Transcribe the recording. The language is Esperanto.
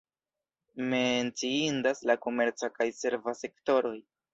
Menciindas la komerca kaj serva sektoroj.